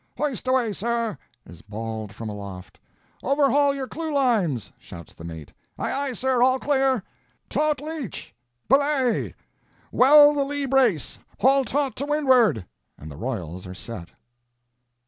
—"Hoist away, sir!" is bawled from aloft. "Overhaul your clew lines!" shouts the mate. "Aye aye, sir, all clear!"—"Taut leech! belay! Well the lee brace; haul taut to windward!" and the royals are set.